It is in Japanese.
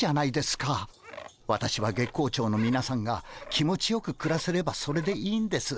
私は月光町のみなさんが気持ちよくくらせればそれでいいんです。